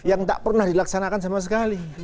yang tak pernah dilaksanakan sama sekali